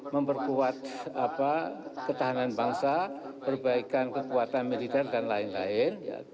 memperkuat ketahanan bangsa perbaikan kekuatan militer dan lain lain